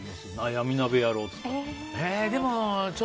闇鍋やろうって言ったら。